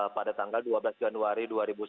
pada tanggal dua belas januari dua ribu sebelas